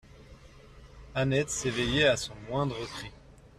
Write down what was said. Annette s'éveillait à son moindre cri.